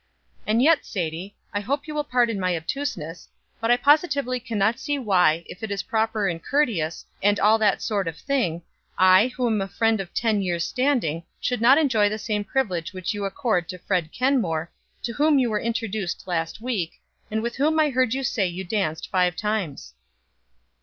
"And yet, Sadie, I hope you will pardon my obtuseness, but I positively can not see why, if it is proper and courteous, and all that sort of thing, I, who am a friend of ten years' standing, should not enjoy the same privilege which you accord to Fred Kenmore, to whom you were introduced last week, and with whom I heard you say you danced five times."